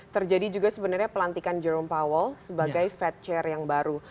terjadi juga sebenarnya pelantikan jerome powell sebagai fat chair yang baru